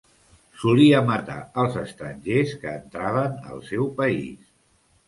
Solia matar els estrangers que entraven al seu país.